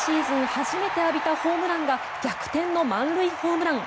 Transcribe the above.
初めて浴びたホームランが逆転の満塁ホームラン。